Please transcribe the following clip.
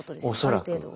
ある程度。